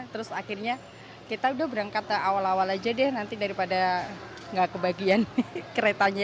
terus akhirnya kita udah berangkat ke awal awal aja deh nanti daripada nggak kebagian keretanya